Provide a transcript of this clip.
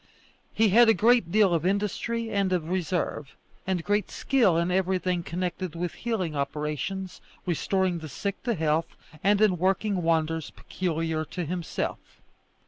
He had a great deal of industry and of reserve, and great skill in everything connected with healing operations, restoring the sick to health, and in working wonders peculiar to himself.